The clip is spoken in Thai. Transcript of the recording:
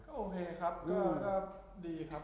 ก็โอเคครับก็ดีครับ